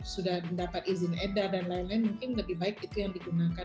sudah mendapat izin edar dan lain lain mungkin lebih baik itu yang digunakan